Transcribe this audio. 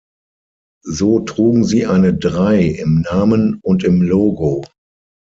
So trugen sie eine Drei im Namen und im Logo.